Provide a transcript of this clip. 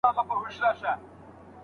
د مطالعې لپاره یوازې دلچسپی کافي نه ده.